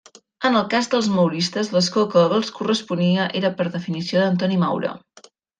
En el cas dels mauristes l'escó que els corresponia era per definició d'Antoni Maura.